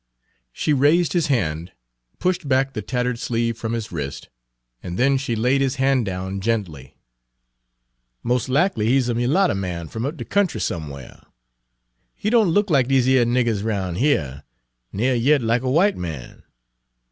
She raised his hand pushed back the tattered sleeve from his wrist and then she laid his hand down gently. "Mos' lackly he 's a mulatter man f'om up de country somewhar. He don' look lack dese yer niggers roun' yere, ner yet lack a w'ite man.